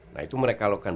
nah itu mereka lakukan